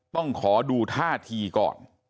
ต้องขอดูท่าทีก่อน